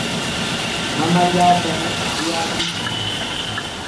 Mamaallatana shuyaakushun.